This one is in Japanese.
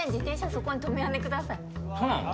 そこに止めやんでくださいそうなの？